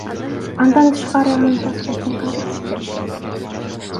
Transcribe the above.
Андан тышкары анын паспортун кантип текшеришет?